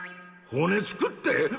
骨つくって。